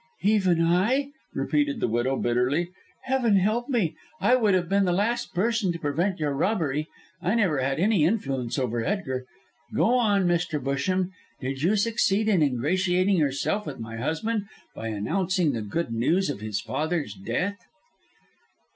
"Even I," repeated the widow, bitterly. "Heaven help me, I would have been the last person to prevent your robbery. I never had any influence over Edgar. Go on, Mr. Busham. Did you succeed in ingratiating yourself with my husband by announcing the good news of his father's death?"